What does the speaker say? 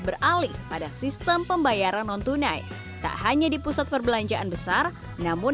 beralih pada sistem pembayaran non tunai tak hanya di pusat perbelanjaan besar namun